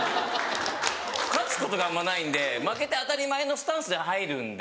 勝つことがあんまないんで負けて当たり前のスタンスで入るんで。